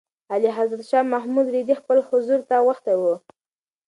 اعلیحضرت شاه محمود رېدی خپل حضور ته غوښتی و.